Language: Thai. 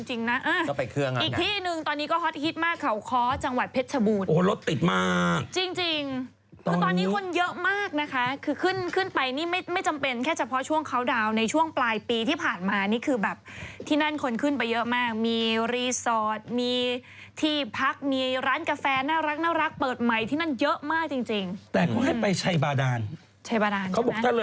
อีกที่หนึ่งตอนนี้ก็ฮอตฮิตมากเขาเคาะจังหวัดเพชรชบูนโอ้ยรถติดมากจริงจริงตอนนี้คนเยอะมากนะคะคือขึ้นขึ้นไปนี่ไม่ไม่จำเป็นแค่เฉพาะช่วงเคาน์ดาวน์ในช่วงปลายปีที่ผ่านมานี่คือแบบที่นั่นคนขึ้นไปเยอะมากมีมีที่พักมีร้านกาแฟน่ารักน่ารักเปิดใหม่ที่นั่นเยอะมากจริงจร